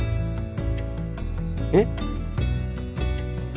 えっ！？